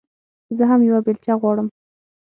زه هم يوه بېلچه غواړم.